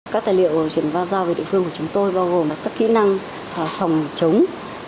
các tài liệu chuyển va ra về địa phương của chúng tôi bao gồm là các kỹ năng phòng chống